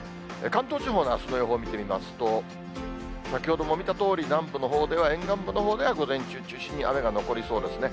関東地方のあすの予報を見てみますと、先ほども見たとおり、南部のほうでは、沿岸部のほうでは午前中を中心に雨が残りそうですね。